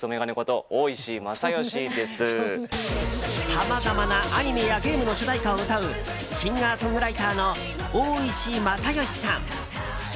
さまざまなアニメやゲームの主題歌を歌うシンガーソングライターのオーイシマサヨシさん。